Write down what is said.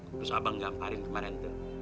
terus abang gamparin kemarin tuh